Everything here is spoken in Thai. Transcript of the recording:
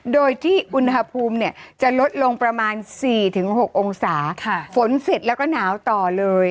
โดยที่อุณหภูมิเนี่ยจะลดลงประมาณ๔๖องศาฝนเสร็จแล้วก็หนาวต่อเลย